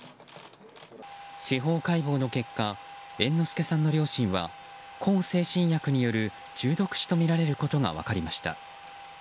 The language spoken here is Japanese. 司法解剖の結果猿之助さんの両親は向精神薬による中毒死とみられることが分かりました。